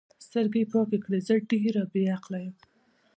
سترګې یې پاکې کړې: زه ډېره بې عقله یم.